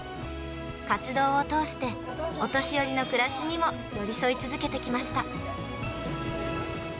活動を通して、お年寄りの暮らしにも寄り添い続けてきました。